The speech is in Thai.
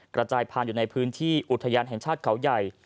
กระจายผ่านอยู่ในพื้นที่อุทยานแห่งชาติเขาใหญ่